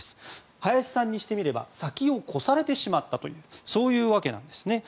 林さんにしてみれば先を越されてしまったそういうわけなんですね。